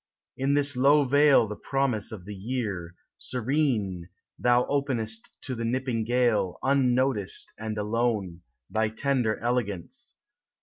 In this low vale the promise of the year, Serene, tlion openest to the nipping gale, Unnoticed and alone Thy tender elegance.